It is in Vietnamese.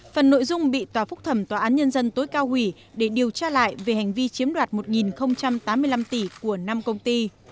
phần nội dung bị tòa phúc thẩm tòa án nhân dân tối cao hủy để điều tra lại về hành vi chiếm đoạt một tám mươi năm tỷ của năm công ty